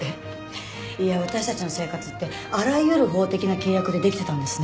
いや私たちの生活ってあらゆる法的な契約でできてたんですね。